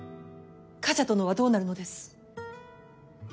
冠者殿はどうなるのです。